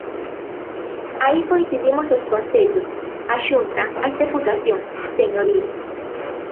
Aí coincidimos os concellos, a Xunta, as deputacións, señoría.